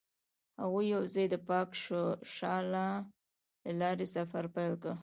هغوی یوځای د پاک شعله له لارې سفر پیل کړ.